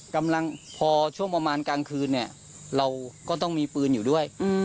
กำลังพอช่วงประมาณกลางคืนเนี่ยเราก็ต้องมีปืนอยู่ด้วย